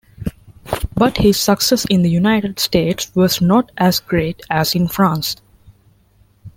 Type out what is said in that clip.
But his success in the United States was not as great as in France.